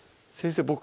先生